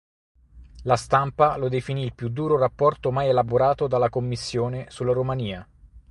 La stampa lo definì il più duro rapporto mai elaborato dalla Commissione sulla Romania.